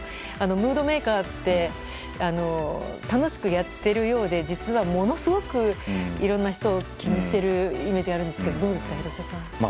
ムードメーカーって楽しくやってるようで実は、ものすごくいろんな人を気にしているイメージがあるんですがどうですか、廣瀬さん。